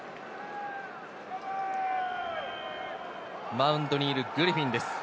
マウンドにいるグリフィンです。